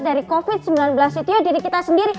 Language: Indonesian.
dari covid sembilan belas itu ya diri kita sendiri